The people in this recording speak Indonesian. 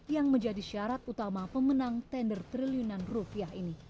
yang menjadi syarat utama pemenang tender triliunan rupiah ini